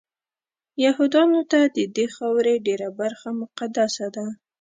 یهودانو ته ددې خاورې ډېره برخه مقدسه ده.